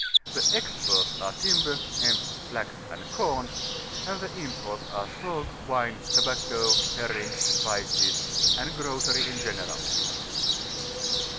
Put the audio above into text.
The exports are timber, nemp, flax, and com; and the imports are salt, wine> tobacco, herrings, spices, and grocery m general.